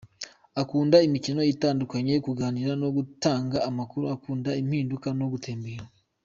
Akunda imikino itandukanye, kuganira no gutanga amakuru, akunda impinduka no gutembera.